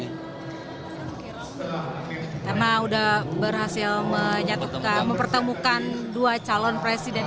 karena sudah berhasil menyatukan mempertemukan dua calon presiden